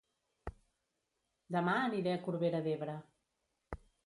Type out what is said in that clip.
Dema aniré a Corbera d'Ebre